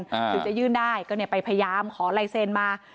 หรือจะยื่นได้ก็เนี่ยไปพยายามขอไลเซนมา